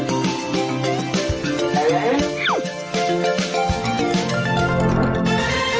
โปรดติดตามตอนต่อไป